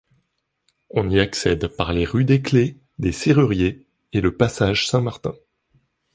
On y accède par les rues des Clefs, des Serruriers et le passage Saint-Martin.